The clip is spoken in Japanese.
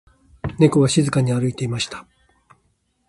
猫が外を歩いていました